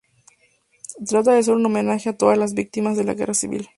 Trata de ser un homenaje a todas las víctimas de la Guerra Civil.